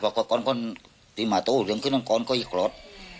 แต่ก่อนที่มาโตเหลืองขึ้นก่อนก็อีกรอด